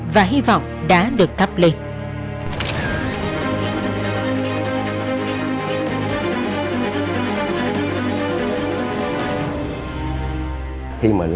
và hy vọng đã được cắp lên